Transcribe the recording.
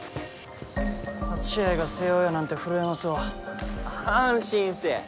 初試合が星葉やなんて震えますわ安心せえ